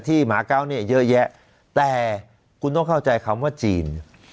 หมาเก้าเนี่ยเยอะแยะแต่คุณต้องเข้าใจคำว่าจีน